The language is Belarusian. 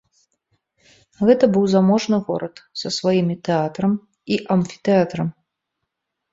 Гэта быў заможны горад са сваімі тэатрам і амфітэатрам.